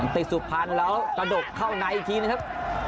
ติดสุภัณฑ์แล้วกระดกเข้าในอีกทีนะครับ